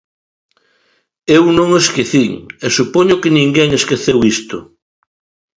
Eu non o esquecín, e supoño que ninguén esqueceu isto.